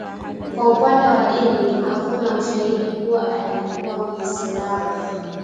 Kwa upande wa dini, hakuna ushahidi kuwa alikuwa Mwislamu